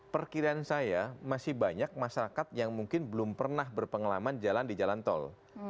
perkiraan saya masih banyak masyarakat yang mungkin belum pernah berpengalaman jalan di jalan tol